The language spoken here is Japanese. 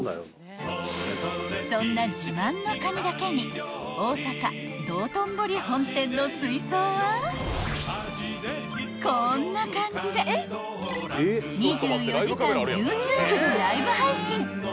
［そんな自慢のカニだけに大阪道頓堀本店の水槽はこんな感じで２４時間ＹｏｕＴｕｂｅでライブ配信］